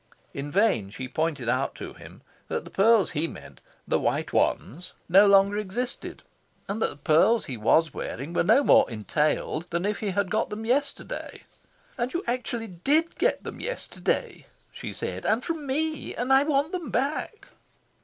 In vain she pointed out to him that the pearls he meant, the white ones, no longer existed; that the pearls he was wearing were no more "entailed" than if he had got them yesterday. "And you actually DID get them yesterday," she said. "And from me. And I want them back."